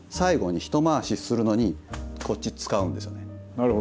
なるほど。